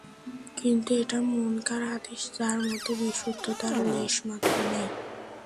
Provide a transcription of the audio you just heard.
কিন্তু এটা মুনকার হাদীস যার মধ্যে বিশুদ্ধতার লেশমাত্র নেই।